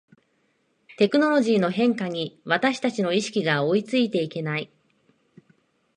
テクノロジーの変化に私たちの意識が追いついていけない